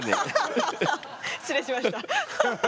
失礼しました。